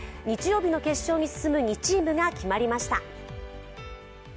日曜日の決勝に進む２チームが決まりました。